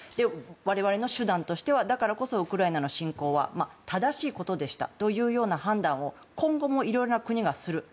我々の手段としてはだからこそウクライナ侵攻は正しいことでしたというような判断を今後もいろいろな国がする。